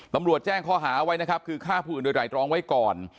ตำรวจแจ้งข้อหาไว้นะครับคือฆ่าผู้อื่นโดยไหร่ตรองไว้ก่อน